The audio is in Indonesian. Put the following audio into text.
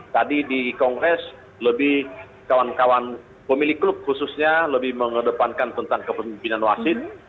tadi di kongres lebih kawan kawan pemilik klub khususnya lebih mengedepankan tentang kepemimpinan wasit